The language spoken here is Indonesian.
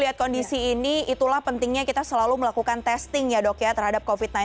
jadi itulah pentingnya kita selalu melakukan testing ya dok ya terhadap covid sembilan belas